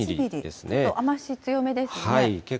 ちょっと雨足強めですね。